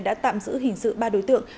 đã tạm giữ hình sự ba đối tượng